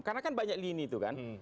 karena kan banyak lini itu kan